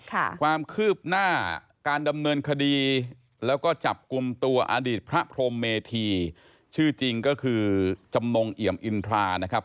ความคืบหน้าการดำเนินคดีแล้วก็จับกลุ่มตัวอดีตพระพรมเมธีชื่อจริงก็คือจำนงเอี่ยมอินทรานะครับ